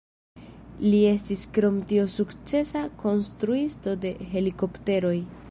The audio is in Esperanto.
Li estis krom tio sukcesa konstruisto de helikopteroj.